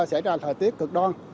xảy ra thời tiết cực đoan